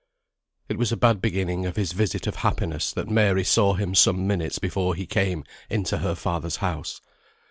It was a bad beginning of his visit of happiness that Mary saw him some minutes before he came into her father's house.